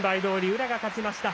宇良が勝ちました。